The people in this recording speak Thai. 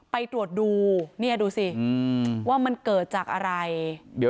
ไปตรวจดูเนี่ยดูสิว่ามันเกิดจากอะไร